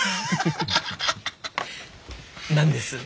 何です？